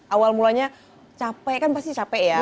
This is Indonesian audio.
awal mulanya capek kan pasti capek ya